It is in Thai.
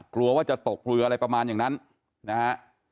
กลัวว่าจะตกเรืออะไรประมาณอย่างนั้นนะฮะ